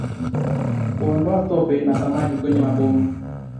Kuondoa tope na samadi kwenye maboma